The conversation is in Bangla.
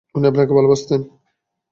উনি আপনাকে ভালবাসতেন।